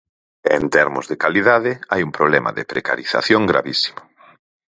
E en termos de calidade, hai un problema de precarización gravísimo.